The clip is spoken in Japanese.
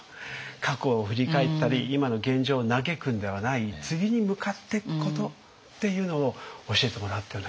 過去を振り返ったり今の現状を嘆くんではない次に向かってくことっていうのを教えてもらったような気がしました。